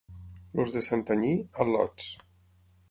Els de Santanyí, al·lots.